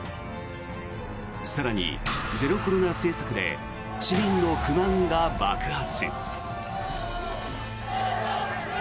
更に、ゼロコロナ政策で市民の不満が爆発。